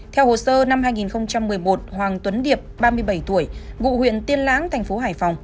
theo hồ sơ năm hai nghìn một mươi một hoàng tuấn điệp ba mươi bảy tuổi ngụ huyện tiên lãng thành phố hải phòng